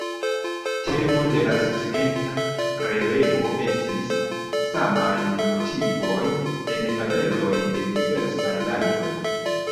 Temo de la scienca prelego estis: samaj motivoj en fabeloj de diversaj landoj.